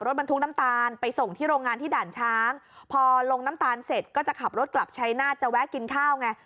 โรงงานที่ด่านช้างพอลงน้ำตาลเสร็จก็จะขับรถกลับใช้หน้าจะแวะกินข้าวไง